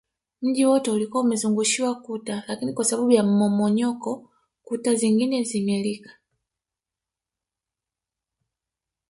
Mji wote ulikuwa umezungushiwa ukuta lakini kwa sababu ya mmomonyoko kuta zingine zimelika